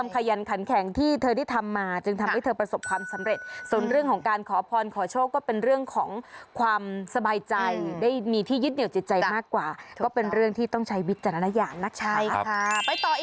เป็นประสบความสำเร็จส่วนเรื่องของการขอพรขอโชคก็เป็นเรื่องของความสบายใจได้มีที่ยึดเหนียวจิตใจมากกว่าก็เป็นเรื่องที่ต้องใช้วิจารณญาณนะใช่ค่ะไปต่อ